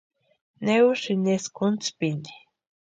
¿Ne usïni eskwa útspini?